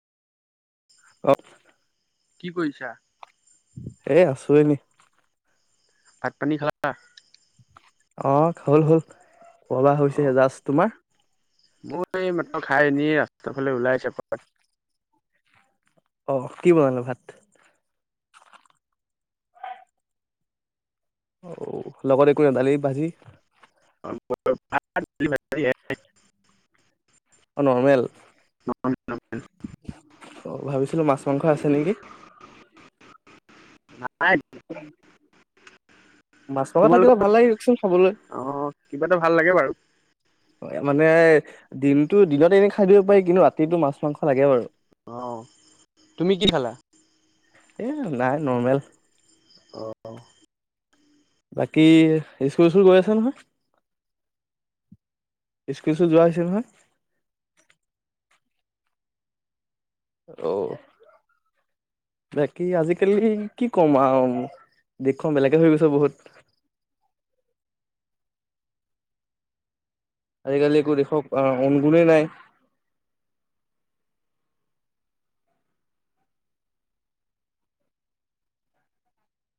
Of কি কৰিছা? এ আছো এনে। ভাট-পানী খালা? অহ হল হল পবা অ হৈছেহে জাষ্ট তোমাৰ মই এইমাত্ৰ খাই এনেই ৰাষ্টাফালে ওলাই আহিছো এপাক অ কি বনালে ভাত? অ লগত একো নাই দালি-ভাজি? [unintelligible] [unintelligible] অ নৰ্মেল। [unintelligible] অ' ভাবিছিলো মাছ- মাংস আছে নেকি? নাই [unintelligible] মাছ -মাংস থাকিলে তোমালোকৰ ভাল লাগে দিয়কচোন খাবলৈ অ কিবা এটা ভাল লাগে বাৰু [inaudible] মানে দিনতটো দিনতে এনে খাই দিব পাৰি কিন্তু ৰাতিটো মাছ- মাংস লাগে বাৰু অ তুমি কি খালা? এ নাই নৰ্মেল অহ বাকি ইস্কুল চিস্কুল গৈ আছা নহয়? [inaudible] ইস্কুল চিস্কুল যোৱা হৈছে নহয়? [inaudible] ঔ [inaudible] বাকি আজিকালি কি কম আৰু দেশখন বেলেগে হৈ গৈছে বহুত [inaudible] আজিকালি একো দেশক আহ অনুগুণেই নাই [inaudible]